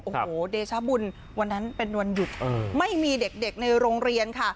โอ้โหเดชาบุญวันนั้นเป็นวันหยุดไม่มีเด็กในโรงเรียนค่ะ